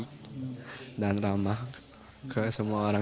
kemudian menemainya bersama sama